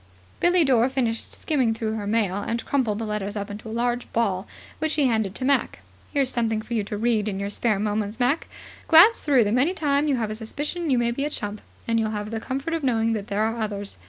Billie Dore finished skimming through her mail, and crumpled the letters up into a large ball, which she handed to Mac. "Here's something for you to read in your spare moments, Mac. Glance through them any time you have a suspicion you may be a chump, and you'll have the comfort of knowing that there are others.